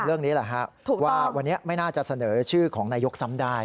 เรื่องนี้แหละฮะว่าวันนี้ไม่น่าจะเสนอชื่อของนายกซ้ำได้